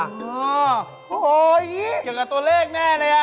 อย่างกับตัวเลขแน่เลย